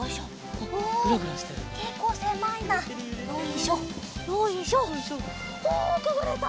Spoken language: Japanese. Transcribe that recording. おおくぐれた！